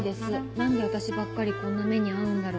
なんで私ばっかりこんな目に遭うんだろう。